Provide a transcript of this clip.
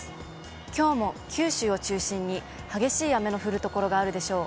きょうも九州を中心に激しい雨の降る所があるでしょう。